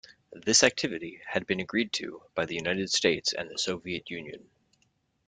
This activity had been agreed to by the United States and the Soviet Union.